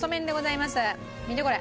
見てこれ。